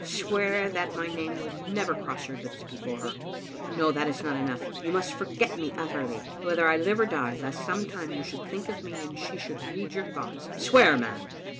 "Swear that my name will never cross your lips before her. No, that is not enough. You must forget me utterly, whether I live or die, lest some time you should think of me and she should read your thoughts. Swear, man